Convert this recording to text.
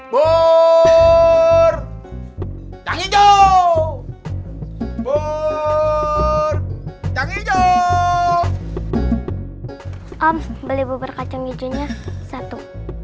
burp yang hijau burp yang hijau om beli bubur kacang hijaunya satu